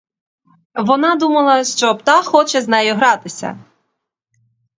Вона думала, що птах хоче з нею гратися.